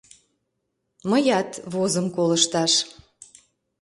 Мыят возым колышташ...